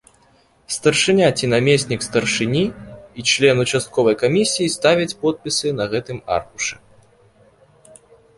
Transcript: Старшыня ці намеснік старшыні і член участковай камісіі ставяць подпісы на гэтым аркушы.